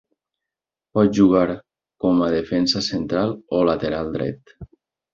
Pot jugar con a defensa central o lateral dret.